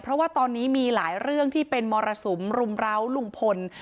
เพราะว่าตอนนี้มีหลายเรื่องที่เป็นมรสุมรุมร้าวลุงพล